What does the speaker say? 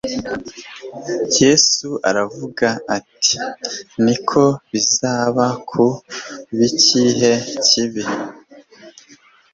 Yesu aravuga ati: Niko bizaba ku b'ikihe kibi.»